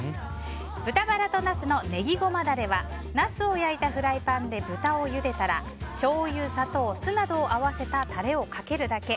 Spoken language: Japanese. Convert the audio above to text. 豚バラとナスのネギゴマダレはナスを焼いたフライパンで豚をゆでたらしょうゆ、砂糖、酢などを合わせたタレをかけるだけ。